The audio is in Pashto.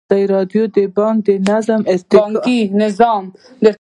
ازادي راډیو د بانکي نظام د ارتقا لپاره نظرونه راټول کړي.